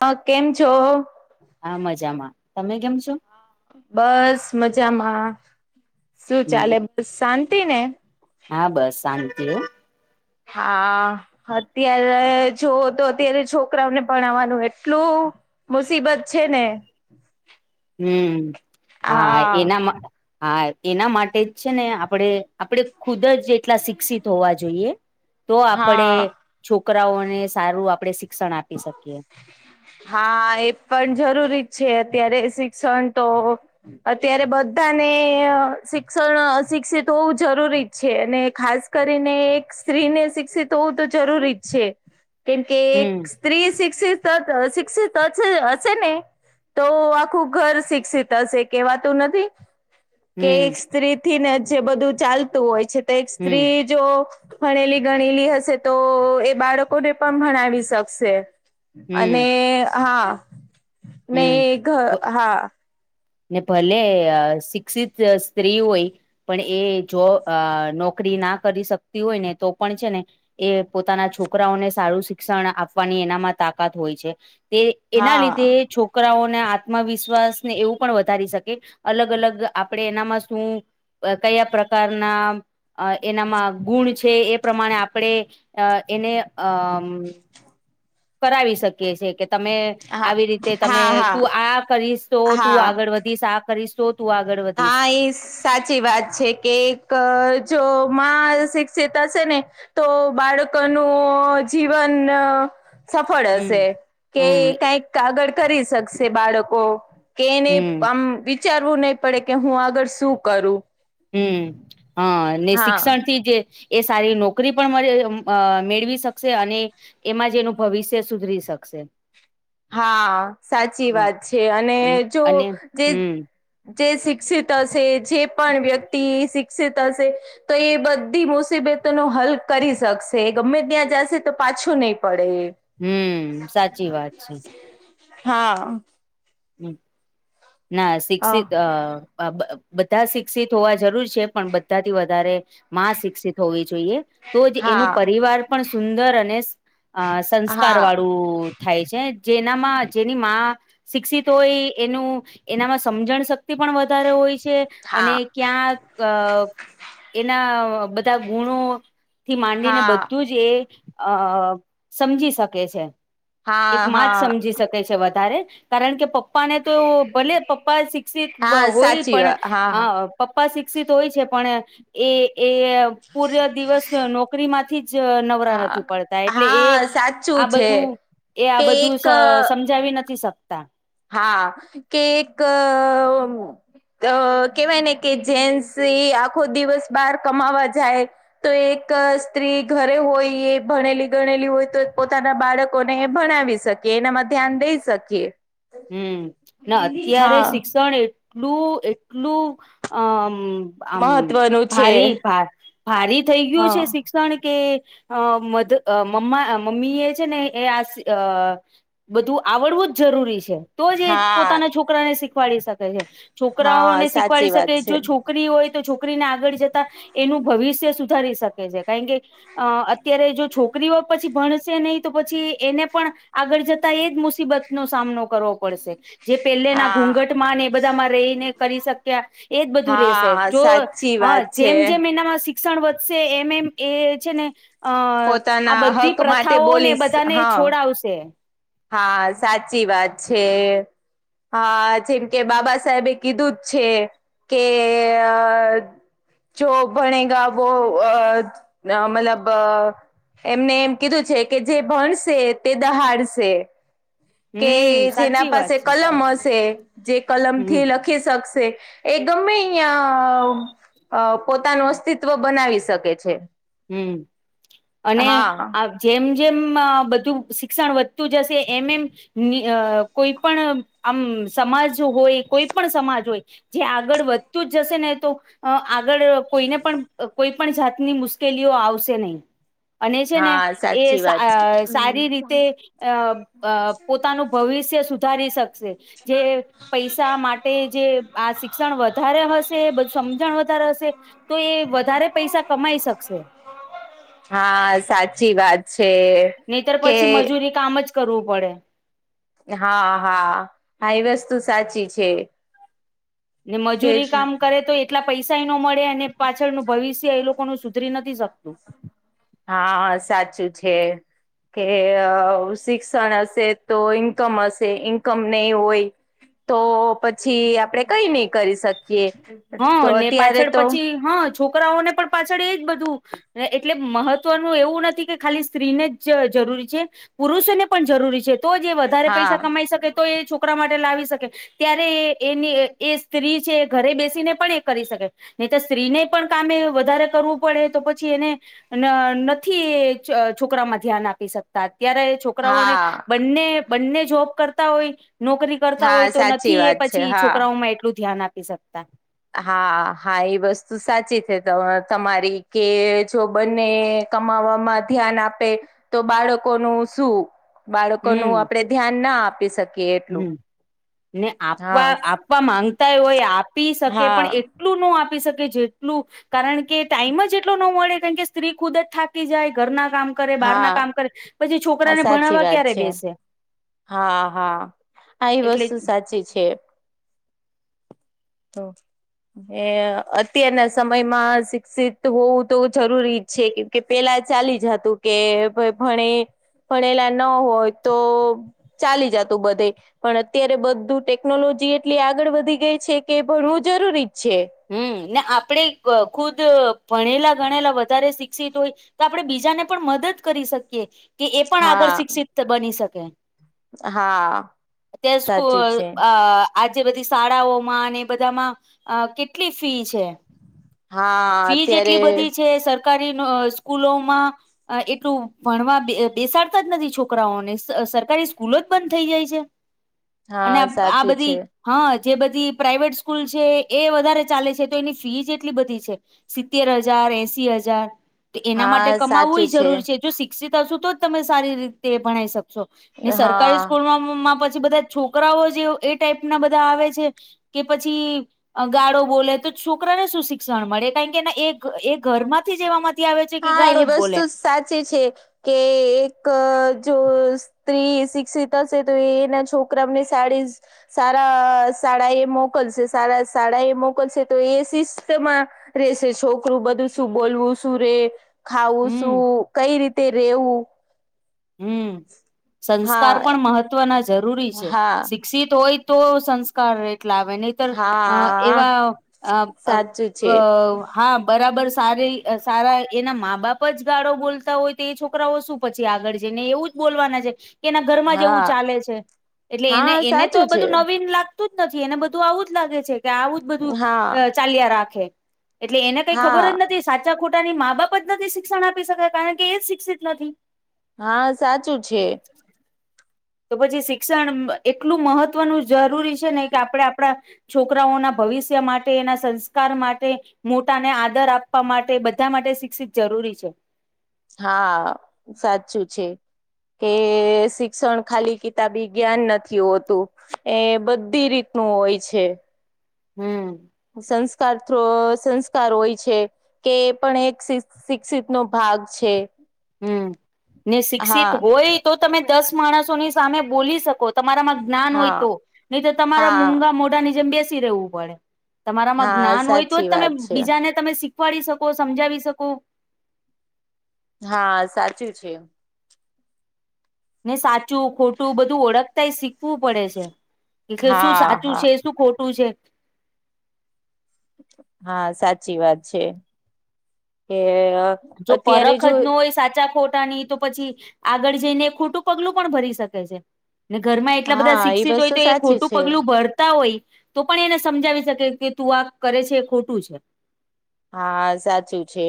હ કેમ છો. આા મજામાં તમે કેમ છો. બસ મજામાં શું હમ ચાલે બસ શાંતિ ને. હા બસ શાંતિ હો. હા. અત્યારે જોઓ તો અત્યારે છોકરાઓને ભણાવવાનું એટલું. મુસીબત છે ને હમ હા એના હા એના માટે જ છે ને આપડે. આપણે ખુદ જ જેટલા શિક્ષિત હોવા જોઈએ તો આપણે. હા છોકરાઓને સારું આપણેે શિક્ષણ આપી શકીએ. હા એ પણ જરૂરી જ છે અત્યારે શિક્ષણ તો. અત્યારે બધાને શિક્ષણ અશિક્ષિત હોવું જરૂરી છે અને ખાસ કરીને એક સ્ત્રીને શિક્ષિત હોવું તો જરૂરી જ છે કેમકે હમ એક સ્ત્રી સિક્સ અ સિક્સ હછ હશે ને. તો આખું ઘર શિક્ષિત હશે કેવાતું નથી. કે એક હમ સ્ત્રી થી ને જે બધું ચાલતું હોય છે તો એક હમ સ્ત્રી જો ભણેલી ગણેલી હશે તો એ બાળકોને પણ ભણાવી શક સે અને હમ હા ને હમ ઘર હા ને ભલે શિક્ષિત સ્ત્રી હોય પણ એ જો નોકરી ના કરી શકતી હોય ને, તો પણ છે ને એ પોતાના છોકરાઓને સારું શિક્ષણ આપવાની એનામાં તાકાત હોય છે. તે એના લીધે હા છોકરાઓને આત્મવિશ્વાસને એવું પણ વધારી શકે. અલગ અલગ આપડે એનામાં શું... કયા પ્રકારના એનામાં ગુણ છે. છે એ પ્રમાણે આપણે એને અ કરાવી શકીએ છે કે તમે હા આવી રીતે તમે હા હા તું આ કરીશ તો હા તું આગળ હા વધ... શ કરીશે તું આગળ વધ... [inaudible] સાચી વાત છે કે એક જો માલ શિક્ષિતા હશે ન, તો બાળકોનું જીવન... સફળ હશે હમ કે હમ કઈક કાગળ કરી શકશે બાળકો. કે એને હમ આમ વિચારવું નહી પડે કે હું આગળ શું કરું હમ. હા અને હા શિક્ષણ થી જે એ સારી નોકરી પણ મેળવી શકશે અને એમાં જે એનું ભવિષ્ય સુધરી શકશે. હા સાચી હમ વાત છે. અને જો, અને હમ જે શિક્ષિત હશે, જે પણ વ્યક્તિ શિક્ષિત હશે... તો એ બધી મુસીબતો નો હલ કરી શકશે ગમે ત્યાં જશે તો પાછો નહીં પડે. હમ સાચી વાત છે. હા. હ, ના હા શિક્સિત બધા શિક્ષિત હોવા જરૂર છે પણ બધા થી વધારે માં શિક્ષિત હોવી જોઈએ તો જ એનું હા પરિવાર પણ સુંદર અને અ સંસ્કાર હા વાળું થાય છે, જેનામાં જેની મા.. ં શિક્ષિત હોય એનું એનામાં સમજણ શક્તિ પણ વધારે હોય છે અને હા ક્યાં એના બધા ગુણો થી માંડીને હા બધું જ, જે અ સમજી શકે છે... એક હા માં જ હા સમજી શકે છે વધારે કારણ કે પપ્પા ને તો ભલે પપ્પા શિક્ષિત હા, હોય સાચી પણ, વાત હા... પપ્પા શિક્ષિત હોય છે પણ એ એ... પૂર્ય દિવસ નોકરી માંથી જ નવરા નથી હા પડતા એટલે એ... હા સાચું આ બધું છે. એ કે આ બધું એક સમજાવી નથી શકતા. હા કેક. અ કેવાય ને કે જેન્સ એ આખો દિવસ બાર કમાવા જાય. તો એક સ્ત્રી ઘરે હોય એ ભણેલી ગણેલી હોય તો પોતાના બાળકોને ભણાવીશ શકીએ એમાં ધ્યાન દઈ શકીએ... હમ. અત્યારે હા શિક્ષણ એ એકલું એકટલું અમ... આમ મહત્વનું છે ભારી, ભારી થઈ ગયું છે હા શિક... ણ કે મધ મમ્ મમ્મી એ છે ને એ આ,... બધું આવડવું જ જરૂરી છે તો જ એ હા પોતાના છોકરાને શીખવાડી શકે છે. છોકરાઓ હા ને સાચી શીખવાડી શકે વાત જો છો છે છોકરી હોય તો છોકરીને આગળ જતા એનું ભવિષ્ય સુધારી શકે છે. કારણ કે અ અત્યારે જો છોકરીઓ પછી ભણશે નહી, તો પછી એને પણ આગળ જતા એજ મુસીબત નો સામનો કરવો પડશે જે પહેલેના હા ઘૂઘટ માં એ બધામાં રહીને કરી શક્યા..., એજ બધું રેશે હા જો સાચી હ વાત છે જેમ જેમ એનામાં શિક્ષણ શિક્ષણ વધશે એમ એમ એ છે ને, અ આ પોતાના બધી હક માટે પ્રથાઓ ને બોલીશ બધાને હા છોડાવશે. હા સાચી વાત છે. હા જેમ કે બાબા સાહેબે કીધું જ છે. કે અ. જો ભણેગ વો અ મતલબ અ એમને એમ કીધું છે કે જે ભણસે તે દહાડશે. કે હમ જેના સાચી વાત પાસે છે કલમ હશે જે કલમ થી હમ લખ રાખી શકશે એ ગમે અહીયાં. અ પોતાનું અસ્તિત્વ બનાવી શકે છે. હમ્મ અને હા આ જેમ જેમ બધું શિક્ષણ વધતું જશે એમ એમ અ કોઈ પણ આમ સમાજ હોય કોઈ પણ સમાજ હોય. જે આગળ વધતું જ જશે ને તો આગળ કોઈને પણ કોઈ પણ જાતની મુશ કેલીઓ આવશે નહી. અને છે ને હા એ સાચી વાત સારી રીતે અ પોતાનું ભવિષ્ય સુધારી શકશે જે પૈસા માટે જે આ શિક્ષણ વધારે હશે બ સમજણ વધારે હશે તો એ વધારે પૈસા કમાઈ શકશે. હા સાચી વાત છે. નહીતર કે પછી મજૂરી કામ જ કરવું પડે. હા હા હા એ વસ્તુ સાચી છે. ને કે મજૂરી કામ કરે તો એટલા પૈસા નો મળે અને પાછળનું ભવિષ્ય એ લોકો નું સુધરી નથી શકતું. હા સાચું છે. કે શિક્ષણ હશે તો ઇન્કમ હશે ઈન્કમ નહી હોય. તો પછી આપડે કઈ નઈ કરી શકીએ તો હા અત્યારે પાછળ તો પછી હા છોકરાઓને પણ પાછળ એજ બધું એટલે મહત્વનું એવું નથી કે ખાલી સ્ત્રીને જ જરૂરી છે. પુરુષો ને પણ જરૂરી છે તો જે વધારે પૈસા હા કમાઈ શકે. તો એ છોકરા માટે લાવી શકે ત્યારે એની એ સ્ત્રી છે ઘરે બેસી ને પણ એ કરી શકે નહી તો સ્ત્રીને પણ કામ વધારે કરવું પડે તો પછી એને ન નથી એ છોકરામાં ધ્યાન આપી શકતા અત્યારે છોક છોકરાને હા બંને બંને જોબ કરતા હોય નોકરી કરતા હા હોય તો સાચી નથી એ વાત છે પછી હા છોકરાઓમાં એટલું ધ્યાન આપી શકતા હા હા એ વસ્તુ સાચી છે તમારી કે જો બને કમાવામાં ધ્યાન આપે તો બાળકોનું શું? બાળકો નું હમ આપડે ધ્યાન ના આપી શકીએ એટલું હમ ને આપવા હા આપવા માંગતાય હોય આપી શકે પણ એ હા એટલું ન આપી શકે જેટલું કારણ કે ટાઈમ જ એટલો ન મળે કારણ કે સ્ત્રી ખુદ જ થાકી જાય ઘરના કામ કરે બહાર ના હા કામ કરે પછી હા છોકરાને સાચી ભણાવવા વાત ક્યારે છે બેસે હા હા આ એ એટલે વસ્તુ સાચી છે. તો હ અત્યારના સમયમાં શિક્ષિત હોવું તો જરૂરી છે કે કે પેલા ચાલી જ હતું કે ભ ભણે ભણેલા ન હોય તો ચાલી જતું બધે પણ અત્યારે બધું ટેકનોલોજી એટલી આગળ વધી ગઈ છે. કે ભણવું જરૂરી જ છે. હમ્મ ને આપણેે ખુદ ભણેલા ગણેલા વધારે શિક્ષિત હોય તો આપણે બીજાને પણ મદદ કરી શકીએ કે એ પણ આગળ હા શિક્ષિત બની શકે હા [inaudible] ત્યા સાચું સ્કૂલ છે આ આજે બધી શાળાઓમાં અને એ બધામાં અ કેટલી ફી છે. હા ફીઝ અત્યારે એટલી બધી છે સરકારી સ્કૂલોમાં અ એટલું ભણવા બેસાડતા જ નથી છોકરાઓને સ સરકારી સ્કૂલો જ બંધ થઈ જાય છે અને હા આ સાચું બધી છે હા જે બધી પ્રાઈવેટ સ્કૂલ છે એ વધારે ચાલે છે તો એની ફી જેટલી બધી છે સિત્તેર હજાર એસી હજાર એના માટે હા કમાવુંય સાચું જરૂરી છે જો સિક શિક્ષણ હ તો જ તમે સારી રીતે ભણાઈ શકશો ને સરકારી હા સ્કૂલમાં માં પછી બધા છોકરાઓ જે એ ટાઈપ ના બધા આવે છે. કે પછી ગાળો બોલે તો છોકરાને શું શિક્ષણ મળે કારણ કે એ એ ઘર માંથી જવા માટ હા એ વસ્તુ સાચી છે કે એક જો થી શિક્ષિત હશે તો એના છોકરાની સાડી સારા શાળા એ મોકલશે સારા શાળા એ મોકલશે તો એ શિસ્તમાં રેશે છોકરું બધું શું બોલવું શું રે ખાવું હમ શું કઈ રીતે રેવું હમ સંસ્કાર હા પણ મહત્વના જરૂરી છે હા સિક સિત હોય તો સંસ્કાર એટલા આવે નહ તર અ હા સાચું એવા છે હા બરાબર સારી સારા એના મા બાપ જ ગાળો બોલતા હોય તો એ છોકરાઓ શું પછી આગળ જેને એવું જ બોલવાના છે. કેના ઘરમાં જેવું હા ચાલે છે એટલે એને હા એને તો સાચું છે બધું નવીન લાગ જ નથી એને બધું આવું જ લાગે છે કે આવું જ બધું હા ચાલ્યા રાખે એટલે એને કઈ ખબર હા જ નથી સાચા ખોટાની મા બાપ જ નથી શિક્ષણ આપી શકાય કારણ કે એ જ શિક્ષિત નથી હા સાચું છે. [inaudible] તો પછી શિક્ષણ એટલું મહત્વનું જરૂરી છે. ને કે આપણે આપણા- છોકરાઓના ભવિષ્ય માટે એના સંસ્કાર માટે- મોટા ને આદર આપવા માટે બધા માટે શિક્ષિત જરૂરી છે. હા સાચું છે. કે શિક્ષણ ખાલી કિતાબી જ્ઞાન નથી હોતું એ બધી રીતનું હોય છે. હમ્મ સંસ્કાર થ સંસ્કાર હોય છે. કે એ પણ એક શિક્ષિત નો ભાગ છે. હમ ને શિક્ષિત હા હોય તો તમે દસ માણસોની સામે બોલી શકો? તમારામાં જ્ઞાન હોય હા તો નહી તો તમારા હા મૂગા મોઢા ની જેમ બેસી રહેવું પડે- તમારામાં હા જ્ઞાન હોય તો સાચી જ તમે વાત છે બીજાને તમે શીખવાડી શકો સમજાવી શકો- હા સાચું છે. ને સાચું ખોટું બધું ઓળખતાય એ શીખવું પડે છે. એટલે શું હા સાચું હા છે? શું ખોટું છે? હા સાચી વાત છે કે- જો અત્યારે પરખ જો જ ન હોય સાચા ખોટા ની તો- પછી આગળ જઈને ખોટું પગલું પણ ભરી શકે છે. ઘરમાં એટલા બધા હા એ શિક્ષિત હોય વસ્તુ તો એ સાચી ખોટું છે પગલું ભરતા હોય- તો પણ એને સમજાવી શકે કે તું આ કરે છે એ ખોટું છે. હા સાચું છે.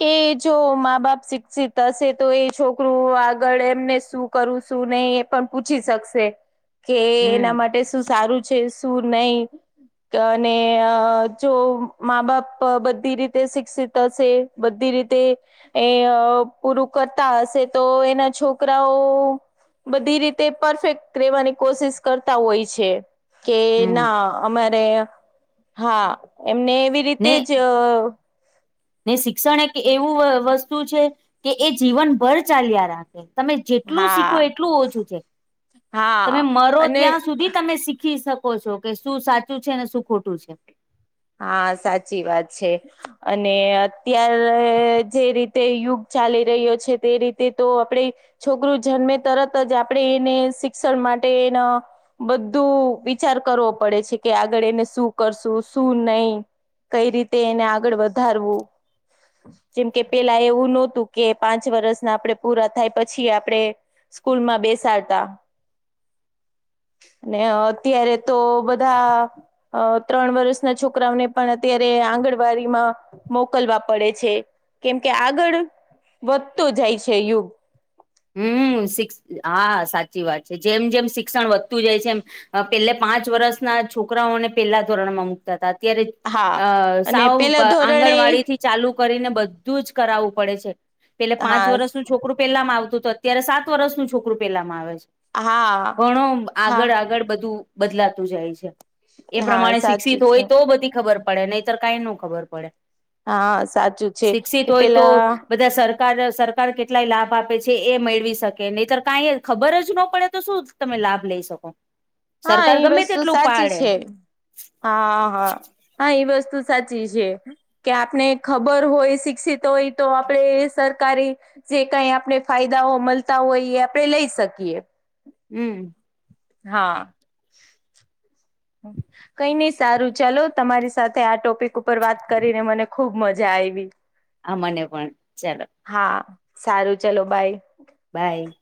કે જો મા બાપ શિક્ષિત હશે તો એ છોકરું આગળ એમને શું. કરું શું ને એ પણ પૂછી શકશે કે હમ એના માટે શું સારું- શું નહી અને જો મા બાપ- બધી રીતે શિક્ષિત હશે બધી રીતે- એ પૂરું કરતા હશે તો એના છોકરાઓ- બધી રીતે પરફેક્ટ રહેેવાની કોશિશ કરતા હોય છે. કે હમ ના અમારે હા એમને એવી રીતે ને જ- ને શિક્ષણ એક એવું વ વસ્તુ છે કે એ જીવનભર ચાલ્યા રાખે. તમે જેટલું હા શીખો એટલું ઓછું છે. તમે હા મરો અને ત્યાં સુધી તમે શીખી શક ઓ છો કે શું સાચું છે ને શું ખોટું છે? હા સાચી વાત છે. અને અત્ય્યારે જે રીતે યુગ ચાલી રહ્યો છે તે રીતે તો આપણેે- છોકરું જન્મે તરત જ આપણે એને શિક્ષણ માટે એના- બધું વિચાર કરવો પડે છે કે આગળ એને શું કરશું? શ શું નહી? કઈ રીતે એને આગળ વધારવું? જેમ કે, પેલા એવું નહોતું કે પાંચ વર્ષના આપણે પૂરા થાય પછી આપડે- સ્કૂલમાં બેસાડતા. અને અત્યારે તો બધા ત્રણ વર્ષ- ના છોકરાઓને પણ અત્યારે આંગણવાડીમાં મોકલવા પડે છે. કેમ કે આગળ વધતો જાય છે યુગ. હમ્મ શિક્સ હા સાચી વાત છે જેમ જેમ શિક્ષણ વધતું જાય છે. એમ પેલ્લા પાંચ વર્ષના છોકરાઓને પેલ્લા ધોરણ માં મુક તા હતા અત્યારે હા. અ અને સાવ પેલા ધોરણે આંગણવાડીથી- ચાલુ કરીને બધું જ કરાવવું પડે છે પેલે પાંચ હા વર્ષનું છોકરું પેહલાંમા આવતું- તું અત્યારે સાત વર્ષનું છોકરું પેલામાં આવે છે. હા ઘણો હા આગળ આગળ- બધું બદલાતું જાય છે. એ હા પ્રમાણે સાચું શિક્ષિત હોય છે તો બધી ખબર પડે- પડે નહીતર કાઈ નો ખબર પડે. હા સાચું છે. શિક્ષિત કે હોય તો પેલા બધા સર કાર સરકાર કેટલાંય લાભ આપે છે. તે એ મેળવી શકે નહીતર કાંય ખબર જ નો પડે તો શું તમે લાભ લઈ શકો? હા, સરકાર એ ગમે વસ્તુ તેટલું સાચી પાડે છે હા, હા, હા એ વસ્તુ સાચી છે કે આપણે ખબર હોય શિક્ષિત હોય તો આપણેે સરકારી- જે કાઈ આપણે ફાયદાઓ મલતા હોય એ આપણે લઈ શકીએ. હમ્મ હા કંઈ નહી, સારું ચાલો તમારી સાથે આ ટોપિક ઉપ પર વાત કરીને મને ખુબ મજા આયવી હા, મને પણ ચાલો હા, સારું ચલો, બાય બાય.